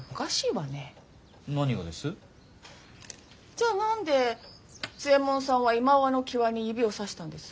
じゃ何で津右衛門さんはいまわの際に指をさしたんです？